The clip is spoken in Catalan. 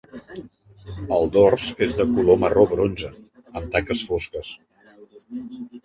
El dors és de color marró bronze, amb taques fosques.